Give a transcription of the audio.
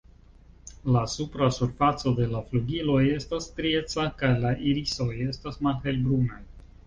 La supra surfaco de la flugiloj estas strieca, kaj la irisoj estas malhelbrunaj.